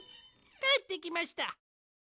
かえってきました。